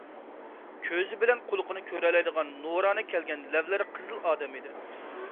كۆزى بىلەن قۇلىقىنى كۆرەلەيدىغان، نۇرانە كەلگەن، لەۋلىرى قىزىل ئادەم ئىدى.